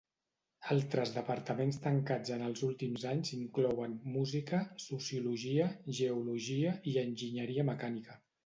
Altres departaments tancats en els últims anys inclouen Música, Sociologia, Geologia i Enginyeria Mecànica.